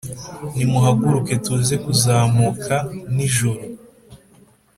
Nimuhaguruke tuze kuzamuka nijoro